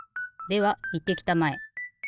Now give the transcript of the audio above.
ではいってきたまえ。